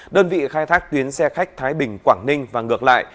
đơn vị khai thác tuyến xe khách thái bình quảng ninh và ngược lại